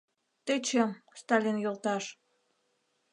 — Тӧчем, Сталин йолташ!